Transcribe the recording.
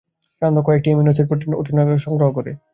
সাধারণত কয়টি amino acid protein গঠনে অংশগ্রহণ করে?